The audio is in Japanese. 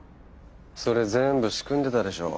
それ全部仕組んでたでしょ？